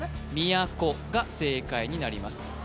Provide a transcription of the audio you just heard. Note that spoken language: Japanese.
みやこが正解になります